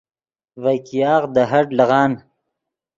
ڤے ګیاغ دے ہٹ لیغان